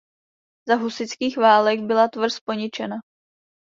Za husitských válek byla tvrz poničena.